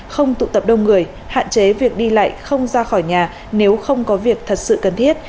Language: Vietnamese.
không tụ tập đông người hạn chế việc đi lại không ra khỏi nhà nếu không có việc thật sự cần thiết